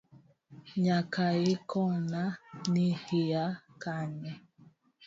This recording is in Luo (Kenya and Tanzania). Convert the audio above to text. Nyakaikona ni hiya kanye.